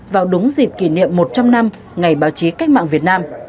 vào đúng dịp kỷ niệm một trăm linh năm ngày báo chí cách mạng việt nam